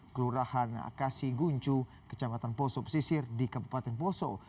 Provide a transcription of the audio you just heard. kelurahan akasi guncu kecamatan poso pesisir di kabupaten poso